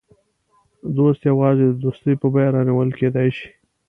دوست یوازې د دوستۍ په بیه رانیول کېدای شي.